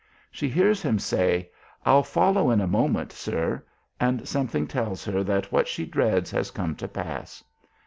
She hears him say, "I'll follow in a moment, sir," and something tells her that what she dreads has come to pass.